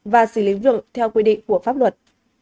và xử lý vượng theo quy định của pháp luật